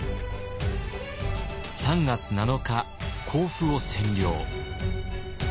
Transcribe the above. ３月７日甲府を占領。